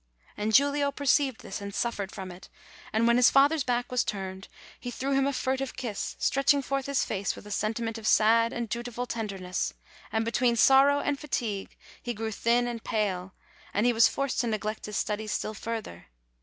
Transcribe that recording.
And Giulio perceived this and suffered from it, and when his father's back was turned, he threw him a furtive kiss, stretching forth his face with a sentiment of sad and dutiful tenderness; and between sorrow and fatigue, he grew thin and pale, and he was forced to neglect his studies still further.